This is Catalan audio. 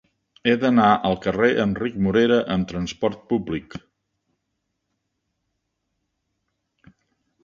He d'anar al carrer d'Enric Morera amb trasport públic.